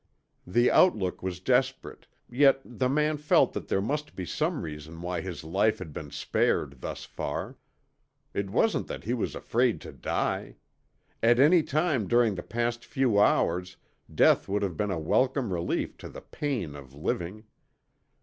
The outlook was desperate, yet the man felt that there must be some reason why his life had been spared thus far. It wasn't that he was afraid to die. At any time during the past few hours death would have been a welcome relief to the pain of living.